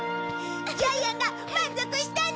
ジャイアンが満足したんだー！